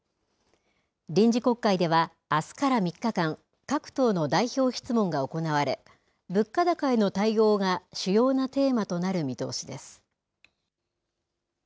臨時国会ではあすから３日間、各党の代表質問が行われ、物価高への対応が主要なテーマとなる見通しです。